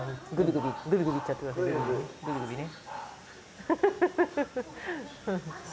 グビグビね。